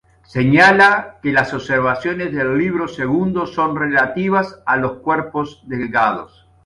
Señala que las observaciones del Libro Segundo son relativas a los cuerpos delgados.